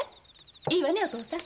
いいわねお父さん。